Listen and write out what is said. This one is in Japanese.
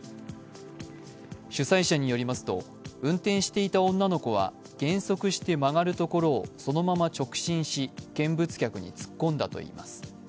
主催者によりますと運転していた女の子は減速して曲がるところをそのまま直進し、見物客に突っ込んだといいます。